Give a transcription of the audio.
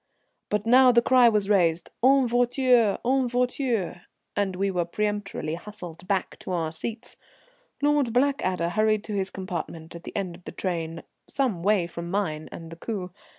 But now the cry was raised "En voiture! en voiture!" and we were peremptorily hustled back to our seats. Lord Blackadder hurried to his compartment at the end of the train some way from mine and the coupé.